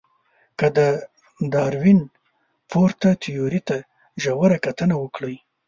که د داروېن پورته تیوري ته ژوره کتنه وکړئ.